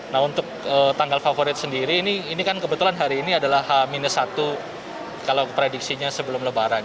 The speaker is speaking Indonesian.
nah untuk tanggal favorit sendiri ini kan kebetulan hari ini adalah h satu kalau prediksinya sebelum lebaran